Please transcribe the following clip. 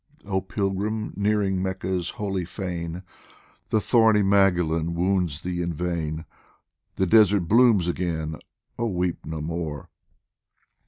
1 02 DIVAN OF HAFIZ Oh Pilgrim nearing Mecca's holy fane, The thorny maghilan wounds thee in vain, The desert blooms again oh, weep no more